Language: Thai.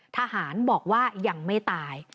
ทหารบอกว่ายังไม่ตาย